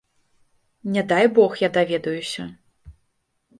Не дай бог я даведаюся!